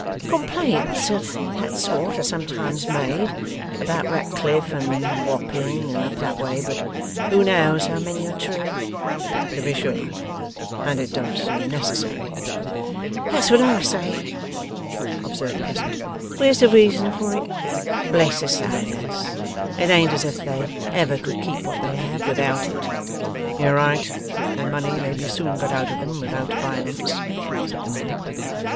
'Complaints of that sort are sometimes made, about Ratcliffe and Wapping and up that way. But who knows how many are true?' 'To be sure. And it don't seem necessary.' 'That's what I say,' observed Pleasant. 'Where's the reason for it? Bless the sailors, it ain't as if they ever could keep what they have, without it.' 'You're right. Their money may be soon got out of them, without violence,' said the man.